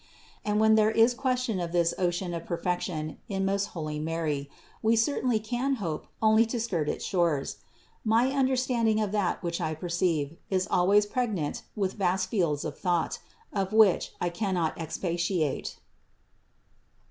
And when there is question of this ocean of perfection in most holy Mary, we certainly can hope only to skirt its shores. My understanding of that which I perceive, is always preg nant with vast fields of thought, on which I cannot expatiate.